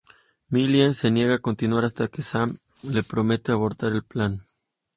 Millie se niega a continuar hasta que Sam le promete abortar el plan.